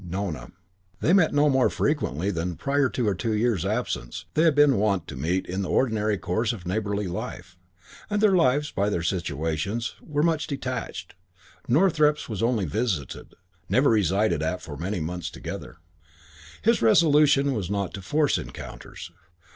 Nona. They met no more frequently than, prior to her two years' absence, they had been wont to meet in the ordinary course of neighbourly life; and their lives, by their situations, were much detached. Northrepps was only visited, never resided at for many months together. His resolution was not to force encounters.